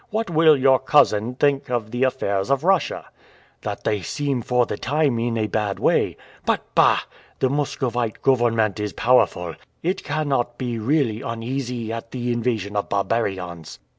"What will your cousin think of the affairs of Russia?" "That they seem for the time in a bad way. But, bah! the Muscovite government is powerful; it cannot be really uneasy at an invasion of barbarians."